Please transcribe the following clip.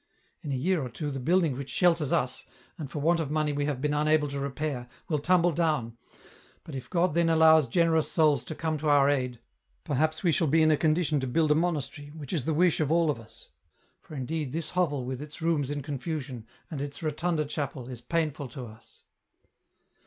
" In a year or two the building which shelters us, and for want of money we have been unable to repair, will tumble down, but if God then allows generous souls to come to our aid, perhaps we shall be in a condition to build a monastery, which is the wish of all of us ; for indeed this hovel with its rooms in confusion, and its rotunda chapel, is painful to us."